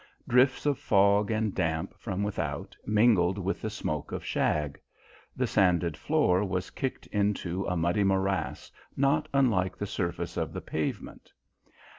Drifts of fog and damp from without mingled with the smoke of shag. The sanded floor was kicked into a muddy morass not unlike the surface of the pavement.